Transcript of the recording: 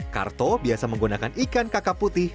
karto biasa menggunakan ikan kakap putih